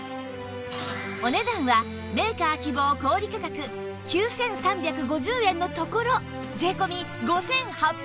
お値段はメーカー希望小売価格９３５０円のところ税込５８００円